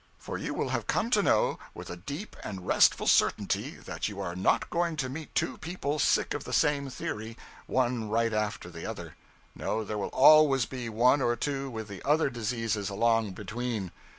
For you will have come to know, with a deep and restful certainty, that you are not going to meet two people sick of the same theory, one right after the other. No, there will always be one or two with the other diseases along between.